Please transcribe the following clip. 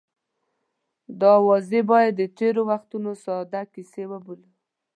دا اوازې باید د تېرو وختونو ساده کیسه وبولو.